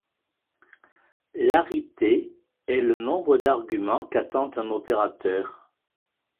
L'arité est le nombre d'arguments qu'attend un opérateur.